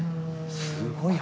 すごい。